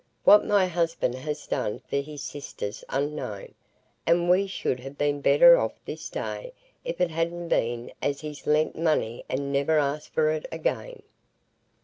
What my husband has done for his sister's unknown, and we should ha' been better off this day if it hadn't been as he's lent money and never asked for it again."